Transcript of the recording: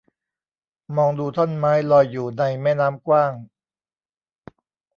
มองดูท่อนไม้ลอยอยู่ในแม่น้ำกว้าง